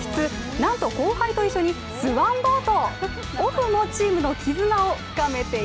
なんと、後輩と一緒にスワンボート！